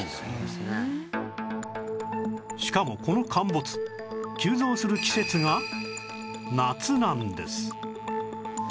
しかもこの陥没急増する季節が夏なんです